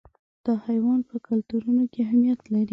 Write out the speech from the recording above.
دا حیوان په کلتورونو کې اهمیت لري.